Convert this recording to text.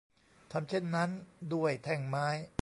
ทำเช่นนั้นด้วยแท่งไม้